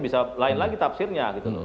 bisa lain lagi tafsirnya